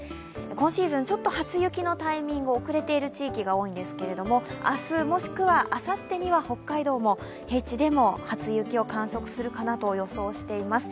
今シーズンちょっと初雪のタイミングが遅れている地域が多いんですけれども、明日もしくはあさってには北海道、平地でも初雪を観測するかなと予想しています。